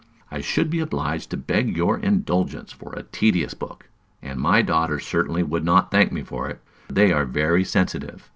I should be obliged to beg your indulgence for a tedious book, and my daughters certainly would not thank me for it; they are very sensitive.